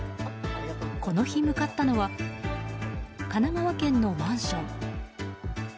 この日向かったのは神奈川県のマンション。